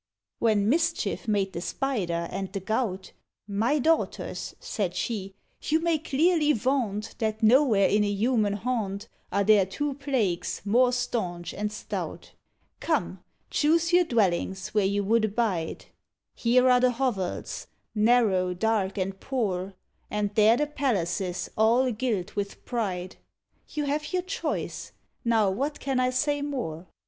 When Mischief made the Spider and the Gout, "My daughters," said she, "you may clearly vaunt That nowhere in a human haunt Are there two plagues more staunch and stout; Come, choose your dwellings where you would abide: Here are the hovels narrow, dark, and poor, And there the palaces all gilt with pride, You have your choice now, what can I say more?